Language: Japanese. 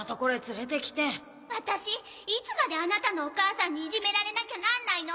ワタシいつまでアナタのお母さんにいじめられなきゃなんないの？